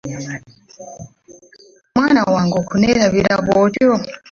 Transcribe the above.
Mwana wange okuneelabira bwotyo?